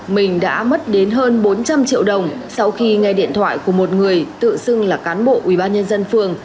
mình đã mất đến hơn bốn trăm linh triệu đồng sau khi ngay điện thoại của một người tự xưng là cán bộ ủy ban nhân dân phường